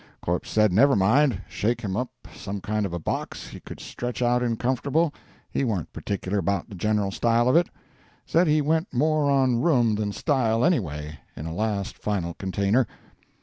Corpse said never mind, shake him up some kind of a box he could stretch out in comfortable, he warn't particular 'bout the general style of it. Said he went more on room than style, anyway, in a last final container.